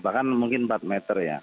bahkan mungkin empat meter ya